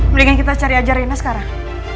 mendingan kita cari aja rina sekarang